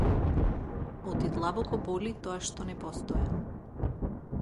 Оти длабоко боли тоа што не постојам.